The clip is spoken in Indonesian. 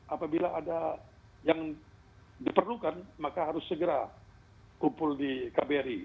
apabila ada yang diperlukan maka harus segera kumpul di kbri